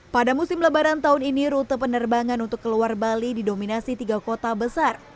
pada musim lebaran tahun ini rute penerbangan untuk keluar bali didominasi tiga kota besar